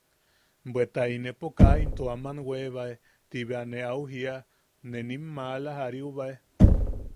–Bweta inepo kaa into aman weebae –ti bea ne au jiia -ne nim maala jariubae.